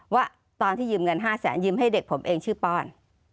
ว่าตอนที่ยืมเงิน๕แสนยืมให้เด็กผมเองชื่อป้อน